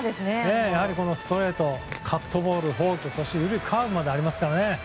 このストレートカットボール、フォークそして緩いカーブまでありますからね。